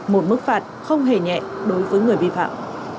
một mức phạt không hề nhẹ đối với người vi phạm